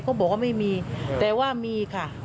บอกว่าไม่มีแต่ว่ามีค่ะ